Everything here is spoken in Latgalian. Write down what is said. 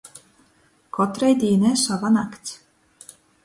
Kotrai dīnai sova nakts.